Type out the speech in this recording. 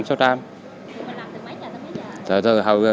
mà làm từ mấy trăm đến bây giờ